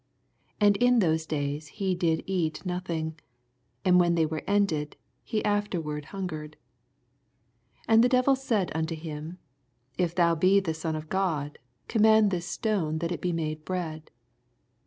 And in those days he did eat nothing : and when they were ended, he afterward hungered. 8 And the devil said unto him, If tfaoa be the Son of God. command this stone that it be made oread.